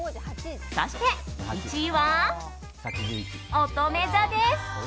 そして１位は、おとめ座です。